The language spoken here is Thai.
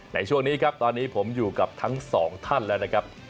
ในช่วงนี้ครับตอนนี้ผมอยู่กับทั้งสองท่านแล้วนะครับ